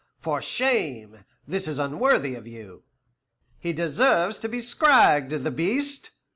For shame! This is unworthy of you!" "He deserves to be scragged, the beast!"